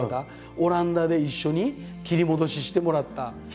オランダで一緒に切り戻ししてもらった方。